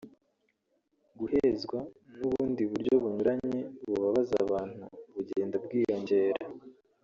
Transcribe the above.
guhezwa n’ubundi buryo bunyuranye bubabaza abantu bugenda bwiyongera